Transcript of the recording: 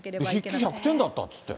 筆記１００点だったっていって。